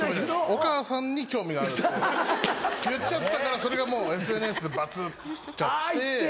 お母さんに興味があるって言っちゃったからそれがもうＳＮＳでバズっちゃって。